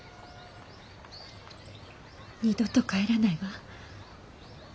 二度と帰らないわ。